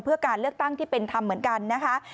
เพื่อการเลือกตั้งที่เป็นธรรมเหมือนกันนะคะ